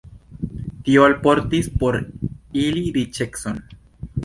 Tio alportis por ili riĉecon.